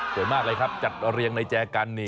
มากเลยครับจัดเรียงในแจกันนี่